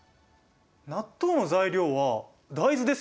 納豆の材料は大豆ですよね。